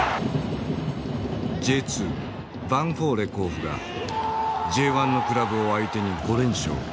Ｊ２ヴァンフォーレ甲府がＪ１のクラブを相手に５連勝。